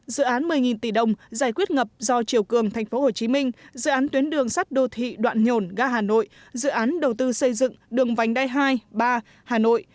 dự án một mươi tỷ đồng giải quyết ngập do triều cường tp hcm dự án tuyến đường sắt đô thị đoạn nhổn ga hà nội dự án đầu tư xây dựng đường vành đai hai ba hà nội